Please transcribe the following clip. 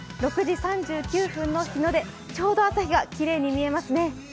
６時３９分の日の出、ちょうど朝日がきれいに見えます。